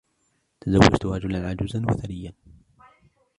تزوجت رجلاً عجوزاً وثرياً.